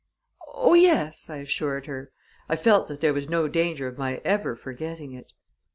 "Oh, yes!" I assured her; I felt that there was no danger of my ever forgetting it.